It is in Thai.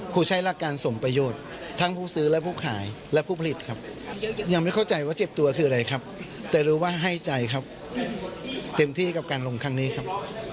ครูใช้หลักการสมประโยชน์ทั้งผู้ซื้อและผู้ขายและผู้ผลิตครับยังไม่เข้าใจว่าเจ็บตัวคืออะไรครับแต่รู้ว่าให้ใจครับเต็มที่กับการลงครั้งนี้ครับ